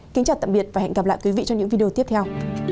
kính chào tạm biệt và hẹn gặp lại quý vị trong những video tiếp theo